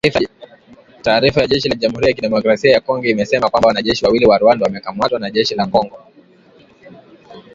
Taarifa ya jeshi la Jamhuri ya Kidemokrasia ya Kongo imesema kwamba wanajeshi wawili wa Rwanda wamekamatwa na jeshi la Kongo